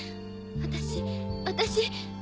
私私。